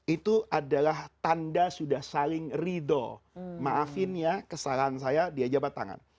itu adalah tanda sudah saling ridho maafin ya kesalahan saya dia jabat tangan